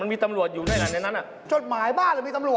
ในรายการตลัดข่าว